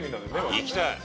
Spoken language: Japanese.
行きたい！